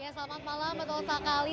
selamat malam betul sekali